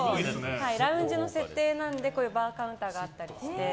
ラウンジの設定なのでバーカウンターがあったりして。